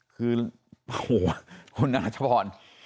คือโหคุณอาจพร